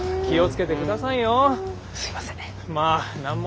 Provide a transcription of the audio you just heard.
気を付けてくださいよ。